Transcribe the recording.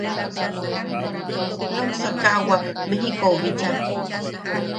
Nuksakaʼawak Mejikou bicha.